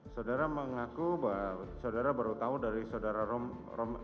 saudara mengaku bahwa saudara baru tahu dari saudara